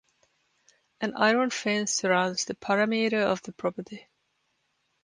An iron fence surrounds the parameter of the property.